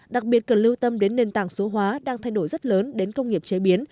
đặc biệt cần lưu tâm đến nền tảng số hóa đang thay đổi rất lớn đến công nghiệp chế biến